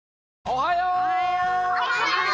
おはよう！